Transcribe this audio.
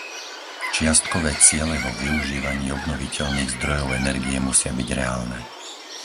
Čiastkové ciele vo využívaní obnoviteľných zdrojov energie musia byť reálne.